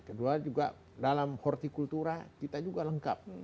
kedua juga dalam hortikultura kita juga lengkap